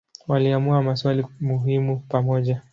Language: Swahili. Waliamua maswali muhimu pamoja.